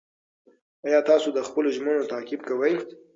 ایا تاسو د خپلو ژمنو تعقیب کوئ؟